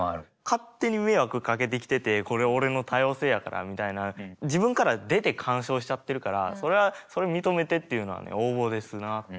勝手に迷惑かけてきてて「これ俺の多様性やから」みたいな自分から出て干渉しちゃってるからそれはそれを認めてっていうのは横暴ですな。